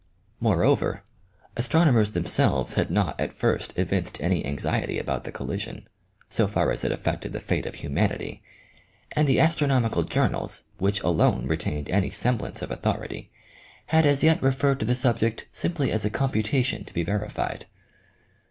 Moreover, astronomers them selves had not, at first, evinced any anxiety about the collision, so far as it affected the fate of humanity, and the astronomical journals (which alone retained any semblance of authority) had A SHOWER OF STARS. OMEGA. i 9 as yet referred to the subject simply as a computation to be verified.